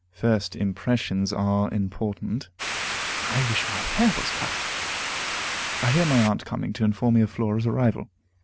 First impressions are important. I wish my hair was cut! I hear my aunt coming to inform me of Flora's arrival.